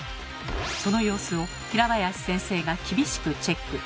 その様子を平林先生が厳しくチェック。